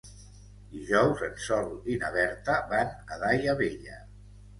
Dijous en Sol i na Berta van a Daia Vella.